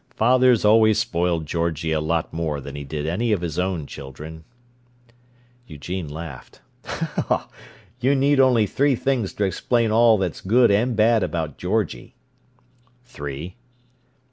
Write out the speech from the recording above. Father's always spoiled Georgie a lot more than he did any of his own children." Eugene laughed. "You need only three things to explain all that's good and bad about Georgie." "Three?"